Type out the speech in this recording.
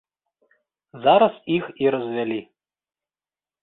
Зараз іх і развялі.